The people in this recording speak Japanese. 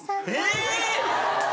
・え？